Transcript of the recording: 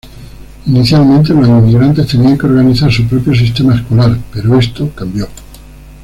Inicialmente, los inmigrantes tenían que organizar su propio sistema escolar, pero esto cambió.